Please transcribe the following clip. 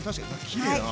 きれいだな。